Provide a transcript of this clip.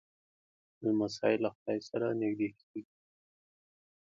لمسی له خدای سره نږدې کېږي.